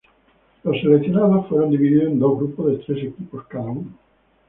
Los seleccionados fueron divididos en dos grupos de tres equipos cada uno.